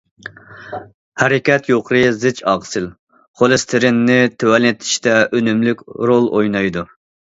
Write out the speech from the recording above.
ھەرىكەت يۇقىرى زىچ ئاقسىل، خولېستېرىننى تۆۋەنلىتىشتە ئۈنۈملۈك رول ئوينايدۇ.